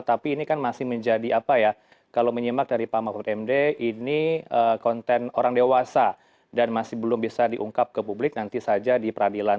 tapi ini kan masih menjadi apa ya kalau menyimak dari pak mahfud md ini konten orang dewasa dan masih belum bisa diungkap ke publik nanti saja di peradilan